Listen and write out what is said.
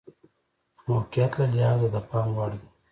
د موقعیت له لحاظه د پام وړ ده.